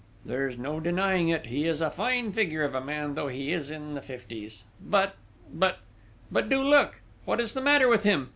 There's no denying it, he is a fine figure of a man, though he is in the fifties but!... but!... but do look! What is the matter with him?